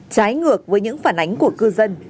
trái ngược với những phản ánh của cư dân